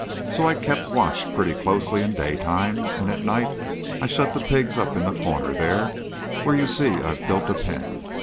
So I kept watch pretty closely in daytime, and at night I shut the pigs up in the corner there, where you see I've built a pen.